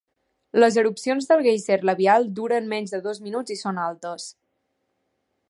Les erupcions del guèiser labial duren menys de dos minuts i són altes.